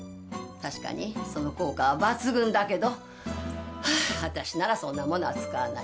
確かにその効果は抜群だけどはあ私ならそんなものは使わない。